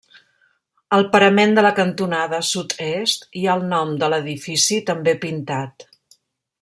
Al parament de la cantonada sud-est hi ha el nom de l'edifici també pintat.